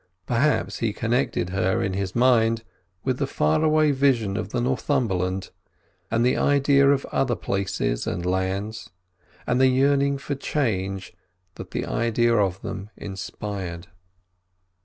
Perhaps he connected her in his mind with the far away vision of the Northumberland, and the idea of other places and lands, and the yearning for change the idea of them inspired.